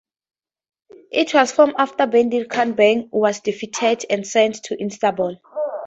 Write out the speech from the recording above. It was formed after Bedir Khan Beg was defeated and sent to Istanbul.